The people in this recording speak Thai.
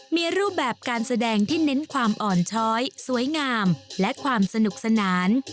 มีรูปแบบการแสดงที่เน้นความอ่อนช้อยสวยงามและความสนุกสนาน